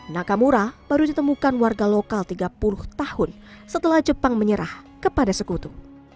nakamura baru ditemukan warga lokal tiga puluh tahun setelah jepang menyerah kepada sekutu